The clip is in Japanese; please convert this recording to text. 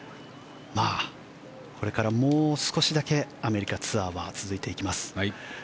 これからもう少しだけアメリカツアーは続いていきます。